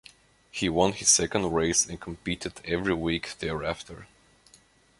He won his second race and competed every week thereafter.